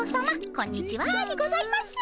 こんにちはにございます。